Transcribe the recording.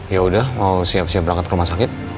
yaudah mau siap siap berangkat ke rumah sakit